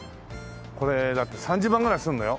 これだって３０万ぐらいすんのよ？